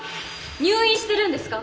入院してるんですか？